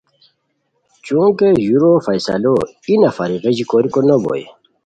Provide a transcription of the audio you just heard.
چونکہ ژورو فیصلو ای نفری غیژی کوریکو نو بوئے